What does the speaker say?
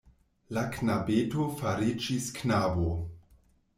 La knabeto fariĝis knabo...